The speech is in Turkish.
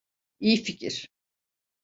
İyi fikir.